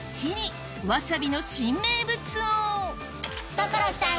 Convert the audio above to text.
所さん